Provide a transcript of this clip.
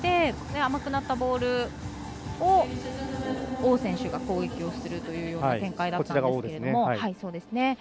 甘くなったボールを王選手が攻撃するというような展開だったんですが。